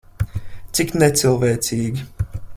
Cik necilvēcīgi.